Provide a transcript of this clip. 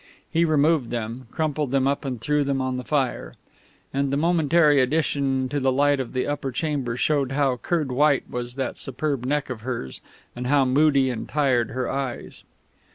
He removed them, crumpled them up and threw them on the fire; and the momentary addition to the light of the upper chamber showed how curd white was that superb neck of hers and how moody and tired her eyes.